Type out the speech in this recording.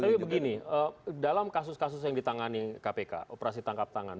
tapi begini dalam kasus kasus yang ditangani kpk operasi tangkap tangan